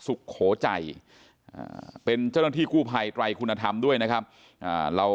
สุโขใจเป็นเจ้าหน้าที่กู้ภัยไตรคุณธรรมด้วยนะครับเรา